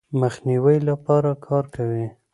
مخنیوي لپاره کار کوي.